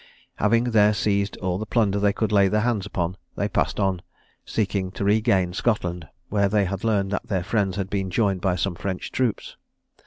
Having there seized all the plunder they could lay their hands upon, they passed on, seeking to regain Scotland, where they had learned that their friends had been joined by some French troops.